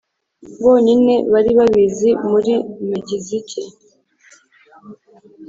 bonyine bari babizi Muri Megizike